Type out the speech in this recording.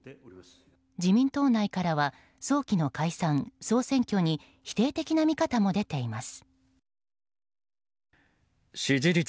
自民党内からは早期の解散・総選挙に否定的な見方も出ています。